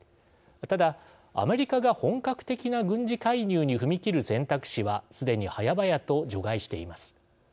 ただ、アメリカが本格的な軍事介入に踏み切る選択肢はすでに早々と除外しています。